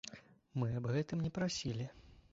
Мы аб гэтым не прасілі.